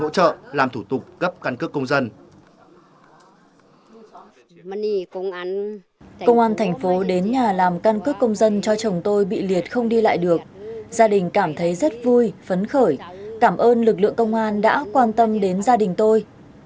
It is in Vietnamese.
cảm ơn lực lượng công an đã quan tâm đến gia đình tôi